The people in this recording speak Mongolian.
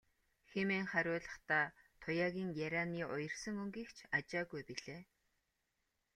хэмээн хариулахдаа Туяагийн ярианы уярсан өнгийг ч ажаагүй билээ.